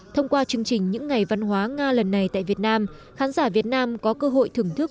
thông qua chương trình những ngày văn hóa nga lần này tại việt nam khán giả việt nam có cơ hội thưởng thức